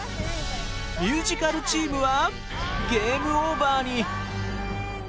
ミュージカルチームはゲームオーバーに！